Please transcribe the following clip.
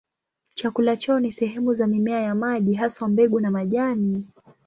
Chakula chao ni sehemu za mimea ya maji, haswa mbegu na majani.